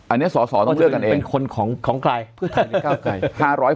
อันนี้สอสอต้องเลือกกันเองเพื่อไทยในก้าวไกล